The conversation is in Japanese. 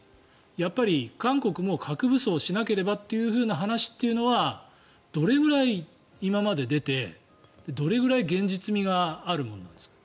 やっぱり韓国も核武装しなければという話というのはどれくらい今まで出てどれくらい現実味があるものなんですか。